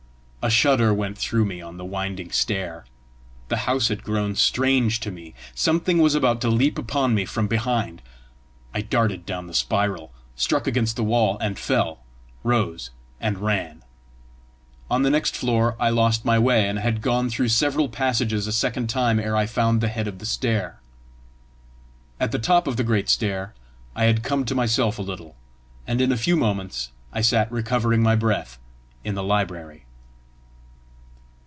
A shudder went through me on the winding stair: the house had grown strange to me! something was about to leap upon me from behind! I darted down the spiral, struck against the wall and fell, rose and ran. On the next floor I lost my way, and had gone through several passages a second time ere I found the head of the stair. At the top of the great stair I had come to myself a little, and in a few moments I sat recovering my breath in the library.